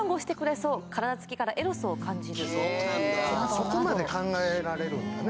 そこまで考えられるんだね